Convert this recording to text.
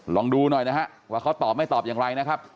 ลองดูหน่อยนะฮะว่าเขาตอบไม่ตอบอย่างไรนะครับ